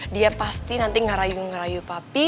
dia pasti nanti ngerayu ngerayu papi